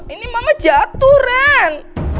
ini mama jatuh ren